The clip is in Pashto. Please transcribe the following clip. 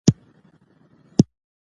د خپل وطن په ویاړ وژونده.